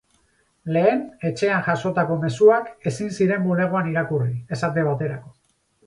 Lehen, etxean jasotako mezuak ezin ziren bulegoan irakurri, esate baterako.